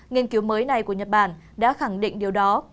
nghiên cứu mới này của nhật bản đã khẳng định điều đó